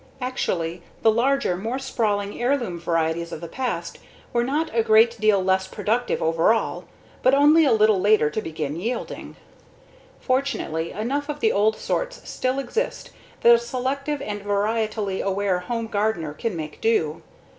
Actually, the larger, more sprawling heirloom varieties of the past were not a great deal less productive overall, but only a little later to begin yielding. Fortunately, enough of the old sorts still exist that a selective and varietally aware home gardener can make do.